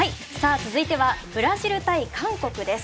続いてはブラジル対韓国です。